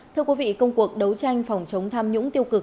thưa quý vị công cuộc đấu tranh phòng chống tham nhũng tiêu cực